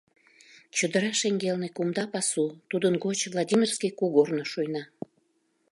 Чодыра шеҥгелне кумда пасу, тудын гоч Владимирский кугорно шуйна.